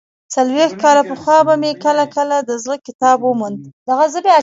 څلوېښت کاله پخوا به مې کله کله د زړه کتاب وموند.